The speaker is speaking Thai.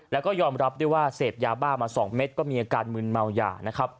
และก็ยอมรับได้ว่าเสพยาบ้ามา๒เม็ดก็มีอันการหมึนเมาอย่าง